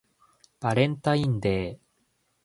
バレンタインデー